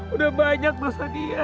udah banyak dosa dia